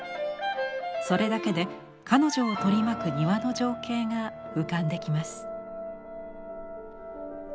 それだけで彼女を取り巻く庭の情景が浮かんできます。